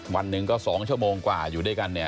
วันหนึ่งก็สองเท่างกว่าอยู่ด้วยกัน